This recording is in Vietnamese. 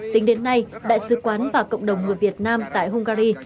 tính đến nay đại sứ quán và cộng đồng người việt nam tại hungary